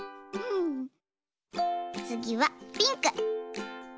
つぎはピンク。